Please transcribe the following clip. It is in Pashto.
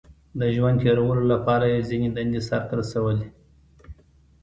• د ژوند تېرولو لپاره یې ځینې دندې سر ته رسولې.